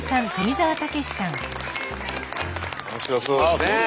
面白そうですね。